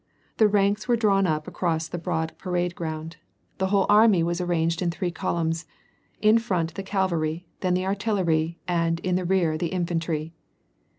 The ranks were drawn up across the broad parade ground. 296 WAR AND PEACE. The whole army was arranged in three columns ; in front the cavalry, then the artillery, and, in the rear the infantry.